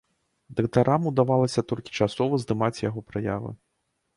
Дактарам удавалася толькі часова здымаць яго праявы.